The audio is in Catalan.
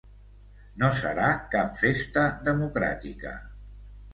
No serà cap festa democràtica.